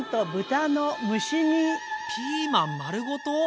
ピーマン丸ごと